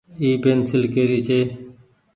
اي پينسيل ڪي ري ڇي۔